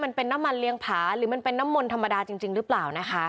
มันเป็นน้ำมันเลี้ยงผาหรือมันเป็นน้ำมนต์ธรรมดาจริงหรือเปล่านะคะ